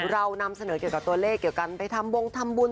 เรานำเสนอเกี่ยวกับตัวเลขเกี่ยวกันไปทำบงทำบุญ